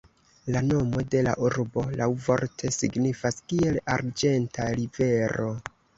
La nomo de la urbo laŭvorte signifas kiel "arĝenta rivero".